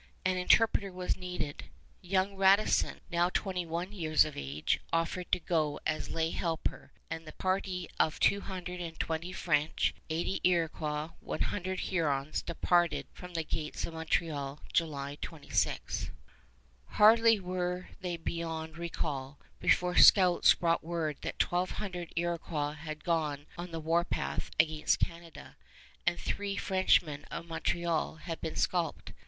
An interpreter was needed. Young Radisson, now twenty one years of age, offered to go as a lay helper, and the party of two hundred and twenty French, eighty Iroquois, one hundred Hurons, departed from the gates of Montreal, July 26. [Illustration: SAUSON'S MAP, 1656] Hardly were they beyond recall, before scouts brought word that twelve hundred Iroquois had gone on the warpath against Canada, and three Frenchmen of Montreal had been scalped.